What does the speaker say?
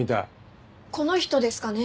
この人ですかね？